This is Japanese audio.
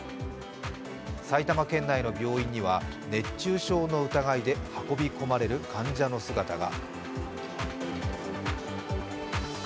埼玉県内の病院には熱中症の疑いで運び込まれる患者の姿が。